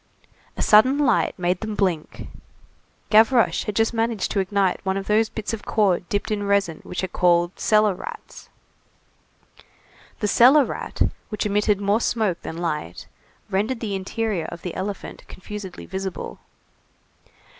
A sudden light made them blink; Gavroche had just managed to ignite one of those bits of cord dipped in resin which are called cellar rats. The cellar rat, which emitted more smoke than light, rendered the interior of the elephant confusedly visible.